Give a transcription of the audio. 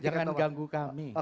jangan ganggu kami